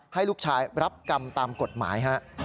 ให้ลูกชายรับกรรมตามกฎหมายฮะ